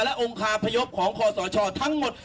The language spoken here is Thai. และองค์คาพยพของคอสชทั้งหมด